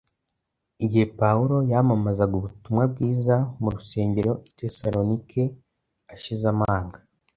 Igihe Pawulo yamamazaga ubutumwa bwiza mu rusengero i Tesalonike ashize amanga,